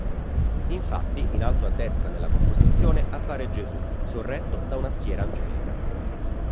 Infatti, in alto a destra nella composizione appare Gesù sorretto da una schiera angelica.